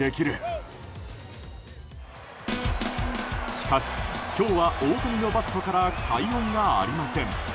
しかし今日は大谷のバットから快音がありません。